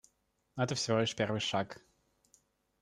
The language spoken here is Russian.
Но это всего лишь первый шаг.